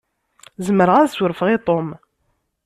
Zemreɣ ad surfeɣ i Tom.